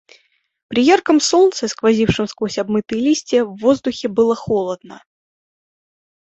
При ярком солнце, сквозившем сквозь обмытые листья, в воздухе было холодно.